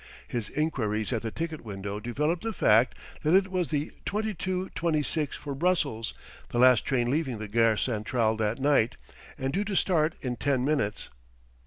His inquiries at the ticket window developed the fact that it was the 22:26 for Brussels, the last train leaving the Gare Centrale that night, and due to start in ten minutes.